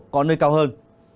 có nơi cao hơn